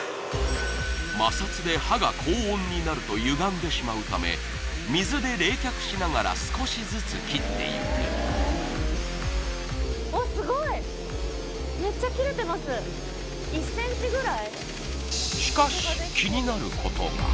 摩擦で刃が高温になるとゆがんでしまうため水で冷却しながら少しずつ切っていく大きさにもよりますけど